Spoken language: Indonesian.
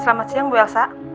selamat siang ibu elsa